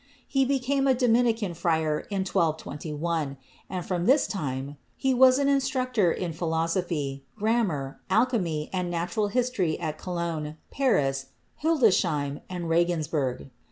He became a Dominican friar in 1221, and from this time he was an instructor in philoso 34 CHEMISTRY phy, grammar, alchemy and natural history at Cologne, Paris, Hildesheim and Regensburg.